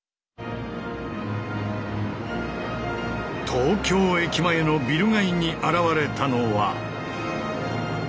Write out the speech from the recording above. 東京駅前のビル街に現れたのは。